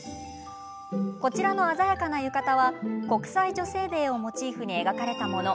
こちらの鮮やかな浴衣は国際女性デーをモチーフに描かれたもの。